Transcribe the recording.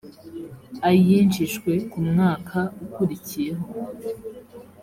ayinjijwe ku mwaka ukurikiyeho